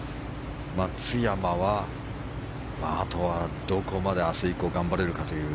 松山はあとはどこまで明日以降頑張れるかという。